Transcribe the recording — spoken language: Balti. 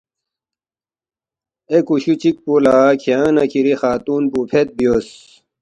اے کُشُو چِک پو لہ کھیانگ نہ کِھری خاتون پو فید بیوس